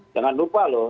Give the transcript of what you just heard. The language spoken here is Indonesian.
jangan lupa loh